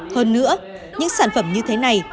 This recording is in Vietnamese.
hơn nữa những sản phẩm như thế này